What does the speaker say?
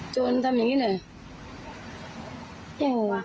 โจรทำอย่างนี้หน่อย